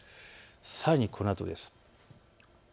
さらにこのあとです。